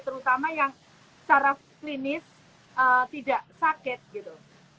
terutama yang secara klinis tidak sakit gitu